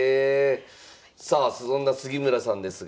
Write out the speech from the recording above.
さあそんな杉村さんですが。